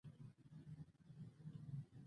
خپلې خبرې او لارښوونې وکړې.